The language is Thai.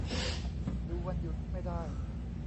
ดูวันหยุดไม่ได้